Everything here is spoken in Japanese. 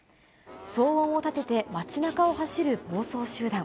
騒音を立てて、街なかを走る暴走集団。